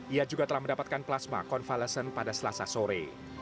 ia juga telah mendapatkan plasma konvalesen pada selasa sore